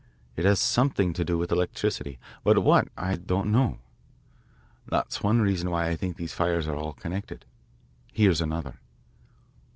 It has something to do with electricity but what, I don't know. That's one reason why I think these fires are all connected. Here's another."